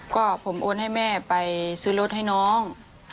ก็ผมโอนให้แม่ไปซื้อรถให้น้อง